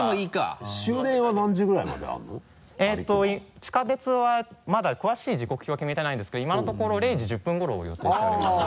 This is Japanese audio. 地下鉄はまだ詳しい時刻表は決めてないんですけど今のところ０時１０分頃を予定しておりますが。